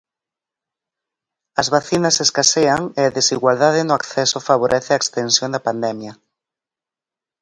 As vacinas escasean e a desigualdade no acceso favorece a extensión da pandemia.